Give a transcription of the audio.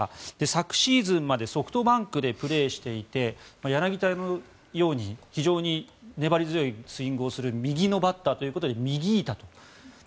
昨シーズンまでソフトバンクでプレーしていて柳田のように非常に粘り強いスイングをする右のバッターということでミギータと。